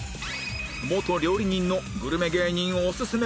元料理人のグルメ芸人オススメ